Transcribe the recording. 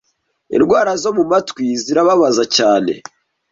Indwara zo mu matwi zirababaza cyane,